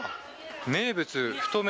名物太麺